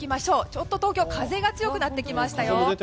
ちょっと東京風が強くなってきましたよ。